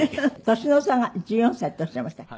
年の差が１４歳とおっしゃいましたっけ？